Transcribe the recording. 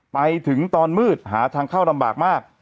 ไปถึงตอนมืดหาทางเข้าลำบากมาก